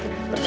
tunggu dulu ya